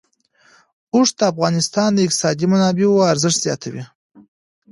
اوښ د افغانستان د اقتصادي منابعو ارزښت زیاتوي.